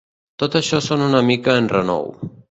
Tot això sona una mica a enrenou.